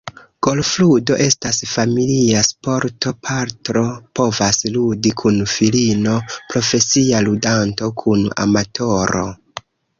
Golfludo estas familia sporto – patro povas ludi kun filino, profesia ludanto kun amatoro.